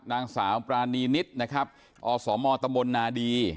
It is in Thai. นางสาวปรานีนิดอสมตมนาดี